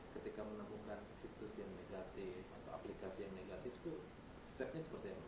ketika menemukan situs yang negatif atau aplikasi yang negatif itu stepnya seperti apa